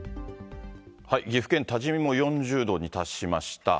岐阜県多治見も４０度に達しました。